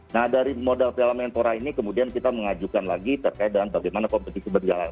nah dari modal piala menpora ini kemudian kita mengajukan lagi terkait dengan bagaimana kompetisi berjalan